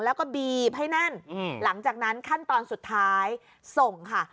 แล้วก็บีบให้แน่นหลังจากนั้นขั้นตอนสุดท้ายส่งค่ะ